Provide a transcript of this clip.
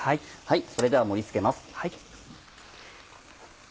それでは盛り付けます。